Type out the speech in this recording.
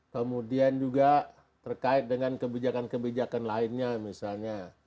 kemudian juga terkait dengan kebijakan kebijakan lainnya misalnya